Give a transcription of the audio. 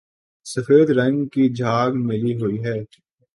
سفید رنگ کی جھاگ ملی ہوئی ہے